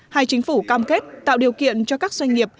hai chính phủ cam kết tạo điều kiện cho các doanh nghiệp